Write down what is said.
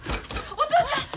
お父ちゃん？